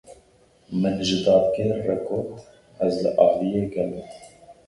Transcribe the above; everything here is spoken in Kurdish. Min ji dadgêr re got ez li aliyê gel im.